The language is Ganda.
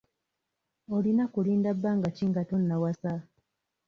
Olina kulinda bbanga ki nga tonnawasa?